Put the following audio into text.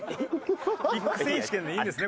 キック選手権でいいんですね？